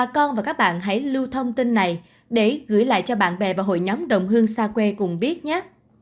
các bạn hãy lưu thông tin này để gửi lại cho bạn bè và hội nhóm đồng hương xa quê cùng biết nhé